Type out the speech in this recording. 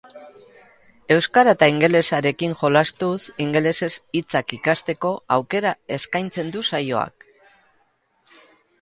Euskara eta ingelesarekin jolastuz, ingelesez hitzak ikasteko aukera eskaintzen du saioak.